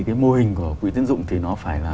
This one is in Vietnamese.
cái mô hình của quỹ tiến dụng thì nó phải là